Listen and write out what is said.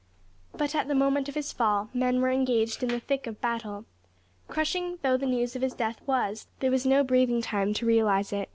But at the moment of his fall his men were engaged in the thick of battle. Crushing though the news of his death was, there was no breathing time to realise it.